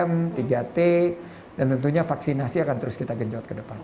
tiga m tiga t dan tentunya vaksinasi akan terus kita genjot ke depan